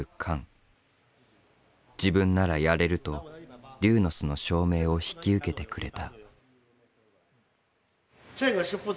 自分ならやれると龍の巣の照明を引き受けてくれた。